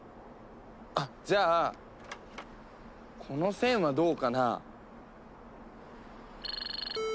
あっじゃあこの線はどうかな。